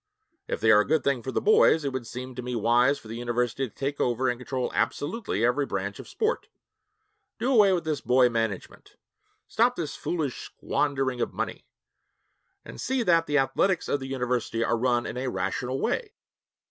If they are a good thing for the boys, it would seem to me wise for the university to take over and control absolutely every branch of sport; do away with this boy management; stop this foolish squandering of money, and see that the athletics of the University are run in a rational way.'